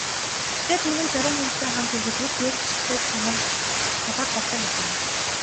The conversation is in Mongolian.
Гэхдээ түүнийг зарим хүнстэй хамт хэрэглэвэл дээрх ашигтай чанар талаар болдог ажээ.